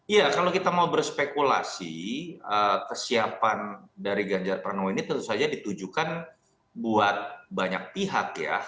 ya kalau kita mau berspekulasi kesiapan dari ganjar pranowo ini tentu saja ditujukan buat banyak pihak ya